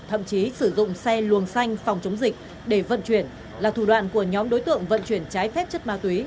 thậm chí sử dụng xe luồng xanh phòng chống dịch để vận chuyển là thủ đoạn của nhóm đối tượng vận chuyển trái phép chất ma túy